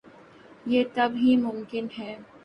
یہ تب ہی ممکن ہے۔